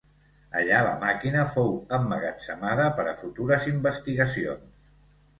Allà la màquina fou emmagatzemada per a futures investigacions.